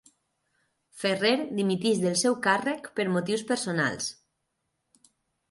Ferrer dimiteix del seu càrrec per motius personals